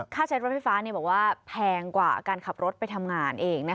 ใช้รถไฟฟ้าบอกว่าแพงกว่าการขับรถไปทำงานเอง